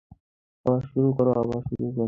আবার শুরু করো আবার শুরু করো আবার!